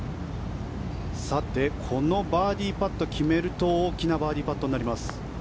このバーディーパット決めると大きなバーディーパットになります。